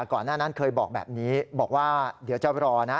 ก่อนหน้านั้นเคยบอกแบบนี้บอกว่าเดี๋ยวจะรอนะ